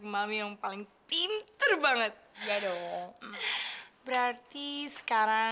mau ngapain lu berdua lu